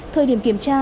thời điểm kiểm tra